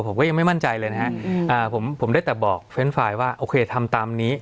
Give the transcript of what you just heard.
ผมก็ยังไม่มั่นใจเลยนะฮะผมได้แต่บอกเรนด์ไฟล์ว่าโอเคทำตามนี้